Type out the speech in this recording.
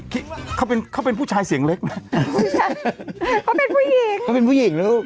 เขาเป็นเขาเป็นผู้ชายเสียงเล็กนะผู้ชายเขาเป็นผู้หญิงเขาเป็นผู้หญิงแล้วลูก